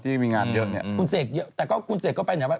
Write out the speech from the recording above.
ที่มีงานเยอะเนี่ย